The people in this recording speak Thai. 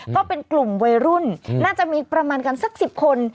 ก็เป็นกลุ่มวัยรุ่นน่าจะมีประมาณกันสัก๑๐คน